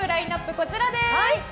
こちらです。